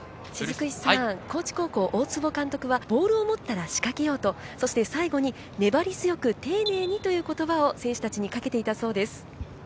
高知高校、大坪監督はボールを持ったら仕掛けようとそして最後に粘り強く丁寧にという言葉を選手たちにかけていたそうです。